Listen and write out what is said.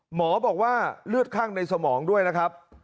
หมอบอกว่าเลือดข้างในสมองด้วยนะครับ